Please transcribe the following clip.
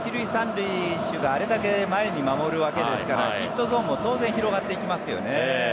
塁手があれだけ前に守るわけですからヒットゾーンも当然広がっていきますよね。